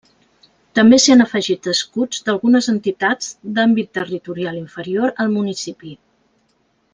També s'hi han afegit escuts d'algunes entitats d'àmbit territorial inferior al municipi.